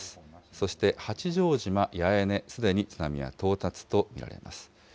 そして八丈島八重根、すでに津波は到達と見られます。